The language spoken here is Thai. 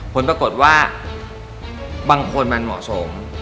ผลปรากฏว่าบางคนมันเหมาะสม